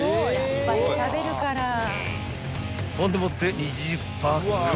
［ほんでもって２０パック］